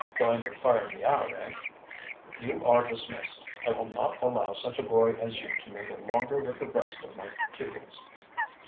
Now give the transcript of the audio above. "Going to fire me out, eh?" "You are dismissed. I will not allow such a boy as you to mingle longer with the rest of my pupils."